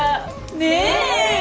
ねえ！